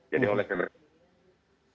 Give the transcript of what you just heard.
jadi oleh saya berpikir